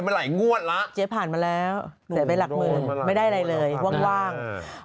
เมื่อไหร่งวดละเจ๊ผ่านมาแล้วเสียไปหลักเมืองไม่ได้อะไรเลยว่าง